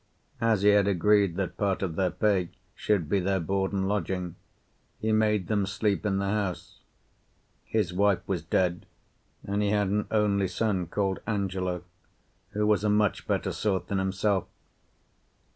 As he had agreed that part of their pay should be their board and lodging, he made them sleep in the house. His wife was dead, and he had an only son called Angelo, who was a much better sort than himself.